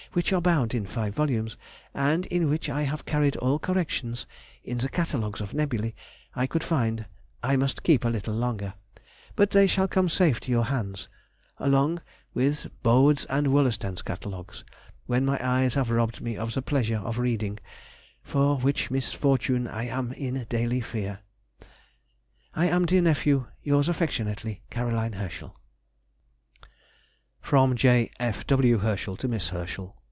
which are bound in five volumes, and in which I have carried all corrections (in the Catalogues of Nebulæ) I could find, I must keep a little longer, but they shall come safe to your hands—along with Bode's and Wollaston's catalogues, when my eyes have robbed me of the pleasure of reading—for which misfortune I am in daily fear. I am, dear nephew, Yours affectionately, C. HERSCHEL. [Sidenote: 1825. Life in Hanover.] FROM J. F. W. HERSCHEL TO MISS HERSCHEL.